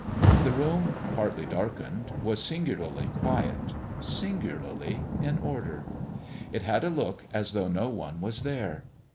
The room, partly darkened, was singularly quiet, singularly in order. It had a look as though no one was there.